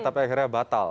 tapi akhirnya batal